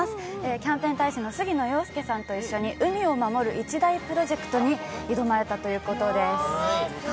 キャンペーン大使の杉野遥亮さんと一緒に海を守る一大プロジェクトに挑まれたということです。